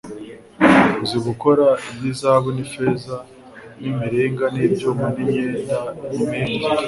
uzi gukora iby'izahabu n'ifeza n'imiringa n'ibyuma n'imyenda y'imihengeri